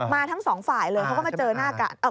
ทั้งสองฝ่ายเลยเขาก็มาเจอหน้ากัน